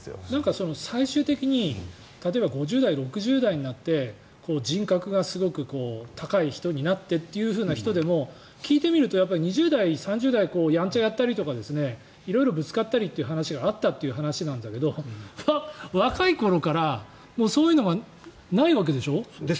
最終的に５０代、６０代になって人格がすごく高い人になってという人でも聞いてみると２０代、３０代やんちゃやったりとか色々ぶつかったりというのがあったという話なんだけど若い頃からそういうのがないわけでしょ。